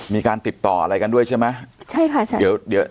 มีการติดต่ออะไรกันด้วยใช่ไหมใช่ค่ะใช่เดี๋ยวเดี๋ยว